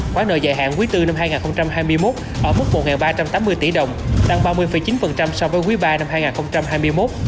khoản nợ dài hạn quý bốn năm hai nghìn hai mươi một ở mức một ba trăm tám mươi tỷ đồng tăng ba mươi chín so với quý ba năm hai nghìn hai mươi một